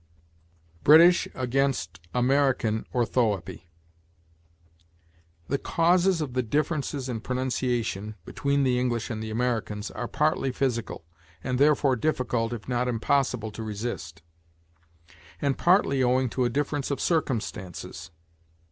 BRITISH AGAINST AMERICAN ORTHOËPY. "The causes of the differences in pronunciation [between the English and the Americans] are partly physical, and therefore difficult, if not impossible, to resist; and partly owing to a difference of circumstances.